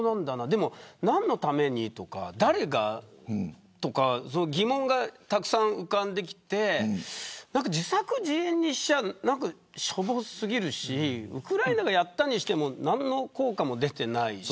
でも何のためにとか、誰がとか疑問がたくさん浮かんできて自作自演にしては何だかしょぼ過ぎるしウクライナがやったにしても何の効果も出ていないし。